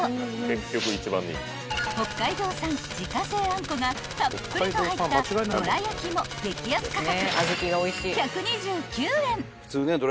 ［北海道産自家製あんこがたっぷりと入ったどらやきも激安価格］